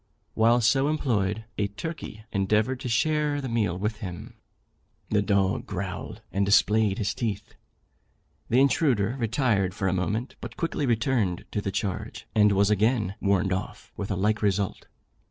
While so employed, a turkey endeavoured to share the meal with him. The dog growled, and displayed his teeth. The intruder retired for a moment, but quickly returned to the charge, and was again "warned off," with a like result.